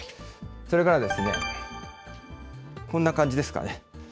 それから、こんな感じですかね。